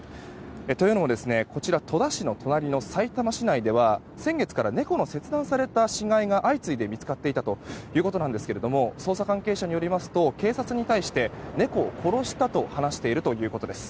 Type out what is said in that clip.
というのも、こちら戸田市の隣のさいたま市内では先月から猫の切断された死骸が相次いで見つかっていたということなんですけれども捜査関係者によりますと警察に対して猫を殺したと話しているということです。